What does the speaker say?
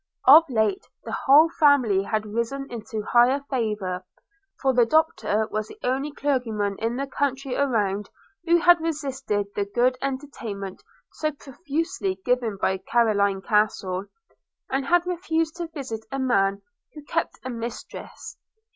Of late the whole family had risen into higher favour; for the Doctor was the only clergyman in the country around who had resisted the good entertainment so profusely given at Carloraine Castle, and had refused to visit a man who kept a mistress.